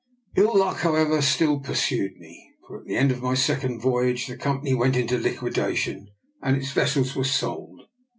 Ill luck, however, still pursued me, for at the end of my second voyage the Company went into liquidation, and its vessels were sold.